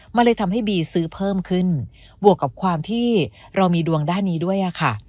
มันเลยทำให้บีซื้อเพิ่มขึ้นบวกกับความที่เรามีดวงด้านนี้ด้วยค่ะ